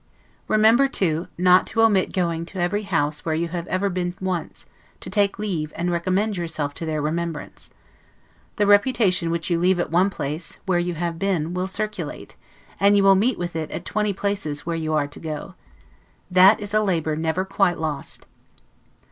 Remember too, not to omit going to every house where you have ever been once, to take leave and recommend yourself to their remembrance. The reputation which you leave at one place, where you have been, will circulate, and you will meet with it at twenty places where you are to go. That is a labor never quite lost.